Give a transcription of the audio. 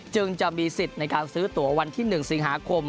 จึงจะมีสิทธิ์ในการซื้อตัววันที่๑สิงหาคม